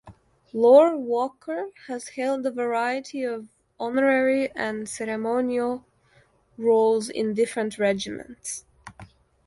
Lord Walker has held a variety of honorary and ceremonial roles in different regiments.